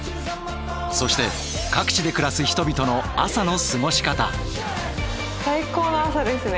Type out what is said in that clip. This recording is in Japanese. そして各地で暮らす人々の最高の朝ですね。